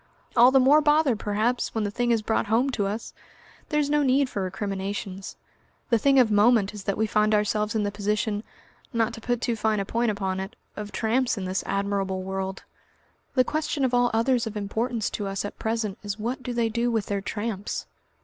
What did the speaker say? "All the more bother, perhaps, when the thing is brought home to us. There's no need for recriminations. The thing of moment is that we find ourselves in the position not to put too fine a point upon it of tramps in this admirable world. The question of all others of importance to us at present is what do they do with their tramps?